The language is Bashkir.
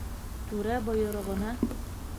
Түрә бойороғона